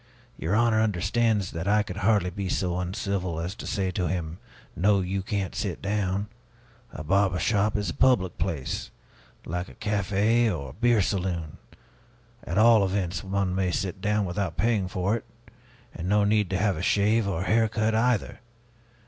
Your honor understands that I could hardly be so uncivil as to say to him, 'No, you can't sit down.' A barber shop is a public place, like a café or a beer saloon. At all events, one may sit down without paying for it, and no need to have a shave or hair cut, either!